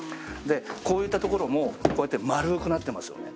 こういったところもこうやって丸くなってますよね